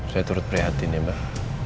saya turut prihatin ya mbak